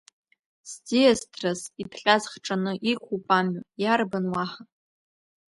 Сӡиас ҭрыс, иҭҟьаз хҿаны, иқәуп амҩа иарбан уаҳа?!